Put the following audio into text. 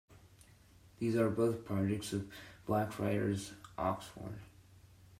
These are both projects of Blackfriars, Oxford.